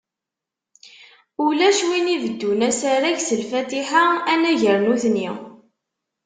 Ulac win ibeddun asarag s Lfatiḥa anagar nutni.